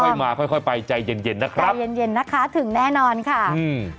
ค่อยมาค่อยค่อยไปใจเย็นเย็นนะครับใจเย็นเย็นนะคะถึงแน่นอนค่ะอืม